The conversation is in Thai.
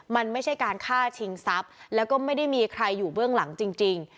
มันไม่ใช่การฆ่าชิงทรัพย์แล้วก็ไม่ได้มีใครอยู่เบื้องหลังจริง